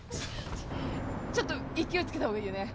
ちょっと勢いつけた方がいいよね？